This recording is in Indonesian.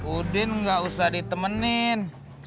udin gak usah ditemenin